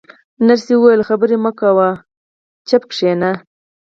نرسې وویل: خبرې مه کوه، غلی کښېنه.